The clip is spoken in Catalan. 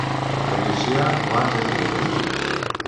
El Llucià abans era violent?